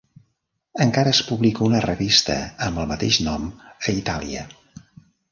Encara es publica una revista amb el mateix nom a Itàlia.